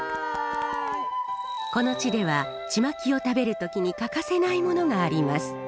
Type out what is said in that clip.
この地ではちまきを食べる時に欠かせないものがあります。